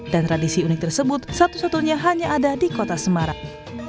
dan tradisi unik tersebut satu satunya hanya ada di kota semarang